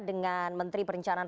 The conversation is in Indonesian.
dengan menteri perencanaan